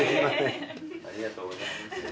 ありがとうございます。